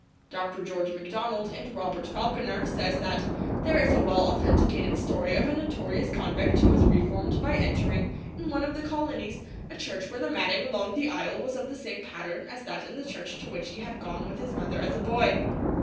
Dr. George MacDonald, in Robert Falconer, says that 'there is a well authenticated story of a notorious convict who was reformed by entering, in one of the colonies, a church where the matting along the aisle was of the same pattern as that in the church to which he had gone with his mother as a boy.'